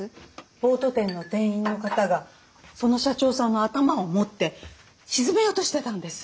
ボート店の店員の方がその社長さんの頭を持って沈めようとしてたんです。